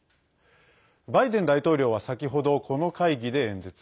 バイデン大統領は先ほどこの会議で演説。